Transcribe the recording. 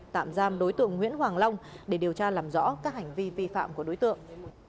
tạm giam đối tượng nguyễn hoàng long để điều tra làm rõ các hành vi vi phạm của đối tượng